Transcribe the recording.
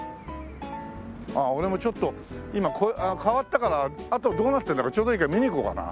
俺もちょっと今変わったからあとどうなってるんだかちょうどいいから見に行こうかな。